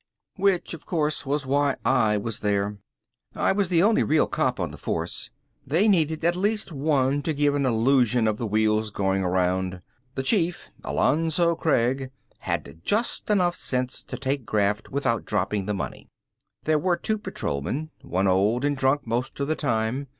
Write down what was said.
Which, of course, was why I was there. I was the only real cop on the force. They needed at least one to give an illusion of the wheels going around. The Chief, Alonzo Craig, had just enough sense to take graft without dropping the money. There were two patrolmen. One old and drunk most of the time.